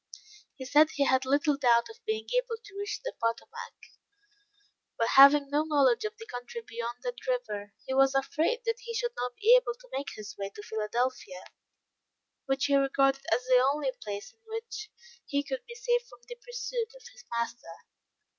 He said he had little doubt of being able to reach the Potomac; but having no knowledge of the country beyond that river, he was afraid that he should not be able to make his way to Philadelphia; which he regarded as the only place in which he could be safe from the pursuit of his master.